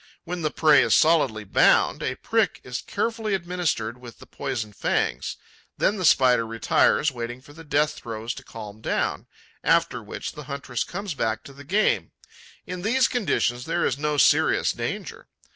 When the prey is solidly bound, a prick is carefully administered with the poison fangs; then the Spider retires, waiting for the death throes to calm down, after which the huntress comes back to the game. In these conditions, there is no serious danger.